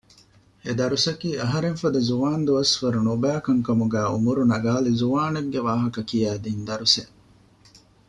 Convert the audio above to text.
އެ ދަރުސަކީ އަހަރެންފަދަ ޒުވާންދުވަސް ވަރު ނުބައި ކަންކަމުގައި އުމުރު ނަގައިލި ޒުވާނެއްގެ ވާހަކަ ކިޔައިދިން ދަރުސެއް